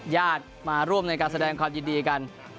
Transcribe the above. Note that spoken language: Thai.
ญาติมาร่วมในการแสดงความยินดีกัน